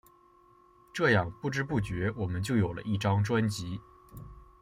这样不知不觉我们就有了一张专辑。